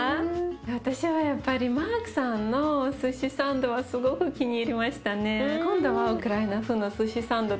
私はやっぱりマークさんのすしサンドはすごく気に入りましたね。